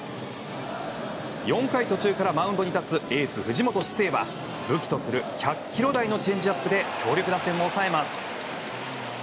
４回途中からマウンドに立つエース、藤本士生は武器とする１００キロ台のチェンジアップで強力打線を抑えます。